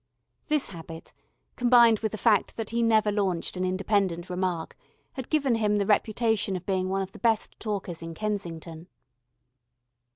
This habit, combined with the fact that he never launched an independent remark, had given him the reputation of being one of the best talkers in Kensington.